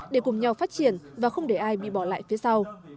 để cùng nhau phát triển và không để ai bị bỏ lại phía sau